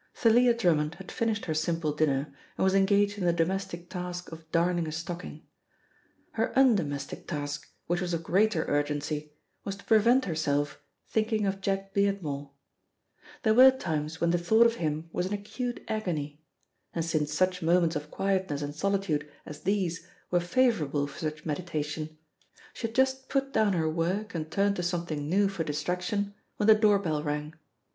Thalia Drummond had finished her simple dinner and was engaged in the domestic task of darning a stocking. Her undomestic task, which was of greater urgency, was to prevent herself thinking of Jack Beardmore. There were times when the thought of him was an acute agony, and since such moments of quietness and solitude as these were favourable for such meditation, she had just put down her work and turned to something new for distraction, when the door bell rang.